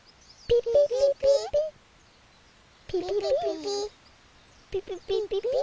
ピピピピピピピピ。